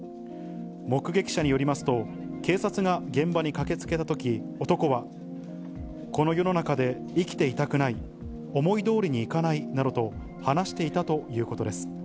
目撃者によりますと、警察が現場に駆けつけたとき、男は、この世の中で生きていたくない、思いどおりにいかないなどと話していたということです。